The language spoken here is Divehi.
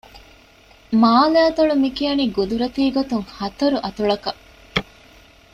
މާލެއަތޮޅު މި ކިޔަނީ ޤުދުރަތީ ގޮތުން ހަތަރު އަތޮޅަކަށް